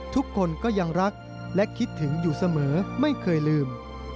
ทุกคนก็ยังรักและคิดถึงอยู่เสมอไม่เคยลืม